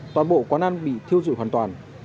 toàn bộ quán ăn bị thiêu rụi hoàn toàn